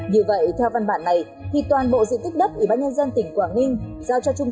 như vậy theo văn bản này thì toàn bộ diện tích đất ủy ban nhân dân tỉnh quảng ninh giao cho trung